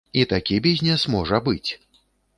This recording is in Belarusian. І такі бізнес можа быць.